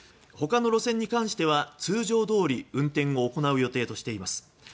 他の路線に関しては通常どおり運転を行う予定としています。